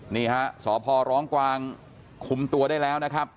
นี่ฮะสพร้องกวางคุมตัวได้แล้วนะครับ